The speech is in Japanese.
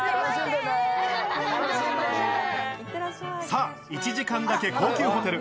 さぁ、１時間だけ高級ホテル。